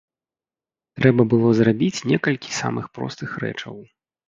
Трэба было зрабіць некалькі самых простых рэчаў.